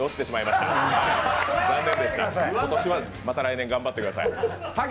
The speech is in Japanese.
また来年頑張ってください。